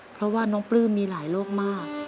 เพราะว่าน้องปลื้มมีหลายโรคมาก